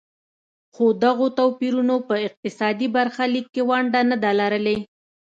خو دغو توپیرونو په اقتصادي برخلیک کې ونډه نه ده لرلې.